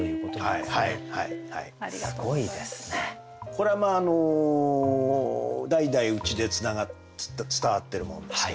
これはまああの代々うちで伝わってるものですけどね。